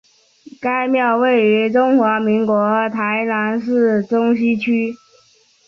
该庙位于中华民国台南市中西区。